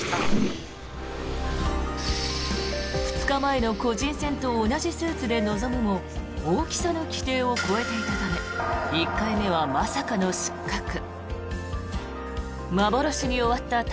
２日前の個人戦と同じスーツで臨むも大きさの規定を超えていたため１回目はまさかの失格。